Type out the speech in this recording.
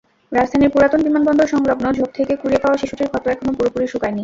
রাজধানীর পুরাতন বিমানবন্দর-সংলগ্ন ঝোপ থেকে কুড়িয়ে পাওয়া শিশুটির ক্ষত এখনো পুরোপুরি শুকায়নি।